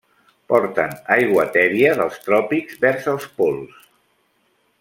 Porten aigua tèbia dels tròpics vers als pols.